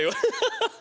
ハハハハ！